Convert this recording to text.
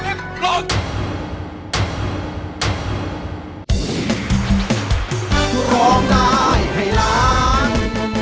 คุณน้ำทิพย์ร้องได้ให้ร้าน